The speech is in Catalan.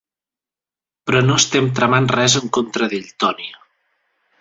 Però no estem tramant res en contra d'ell, Tony.